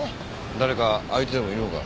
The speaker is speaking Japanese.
誰か相手でもいるのか？